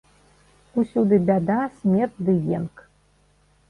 Усюды бяда, смерць ды енк.